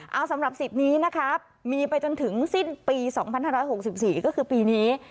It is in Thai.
เอาสำหรับสิทธิ์นี้นะครับมีไปจนถึงสิ้นปี๒๕๖๔ก็คือปีนี้